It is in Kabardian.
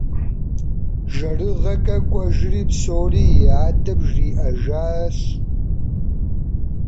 ЖэрыгъэкӀэ кӀуэжри, псори и адэм жриӀэжащ.